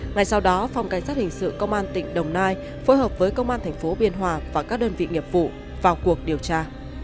ngay sau đó phòng cảnh sát hình sự công an tỉnh đồng nai phối hợp với công an thành phố biên hòa và các đơn vị nghiệp vụ vào cuộc điều tra